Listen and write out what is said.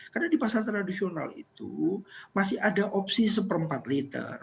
karena di pasar tradisional itu masih ada opsi satu empat liter